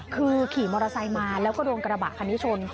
คือขี่มอเตอร์ไซค์มาแล้วก็โดนกระบะคันนี้ชน